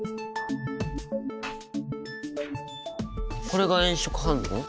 これが炎色反応？